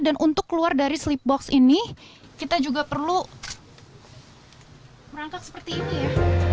dan untuk keluar dari sleep box ini kita juga perlu merangkak seperti ini ya